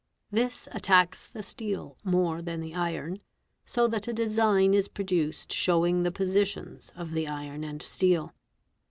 This attacks _ the steel more than the iron, so that a design is produced showing the positions of the iron and steel.